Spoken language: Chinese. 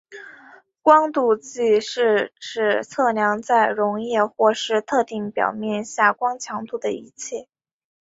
光度计是指量测在溶液或是特定表面下光强度的仪器。